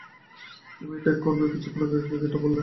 তুমি এইটা কিছুক্ষণ আগেই এইটা বললে।